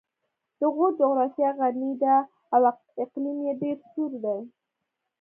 د غور جغرافیه غرنۍ ده او اقلیم یې ډېر سوړ دی